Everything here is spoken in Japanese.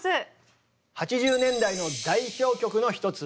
８０年代の代表曲の一つ